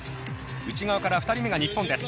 内側から２人目が日本です。